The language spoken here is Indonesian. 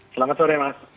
selamat sore mas